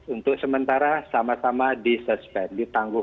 untuk sementara sama sama disuspend